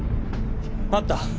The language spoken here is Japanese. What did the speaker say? あった！